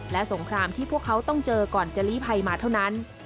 และสงครามที่พวกเขาต้องเจอก่อนจะลีภัยมาเท่านั้น